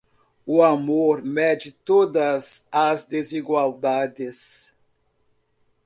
O amor mede todas as desigualdades.